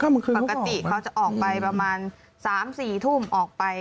เข้าบางคืนเขาก็ออกไปปกติเขาจะออกไปประมาณ๓๔ทุ่มออกไป